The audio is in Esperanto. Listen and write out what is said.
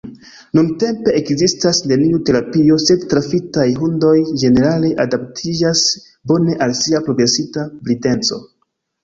Nuntempe ekzistas neniu terapio, sed trafitaj hundoj ĝenerale adaptiĝas bone al sia progresinta blindeco.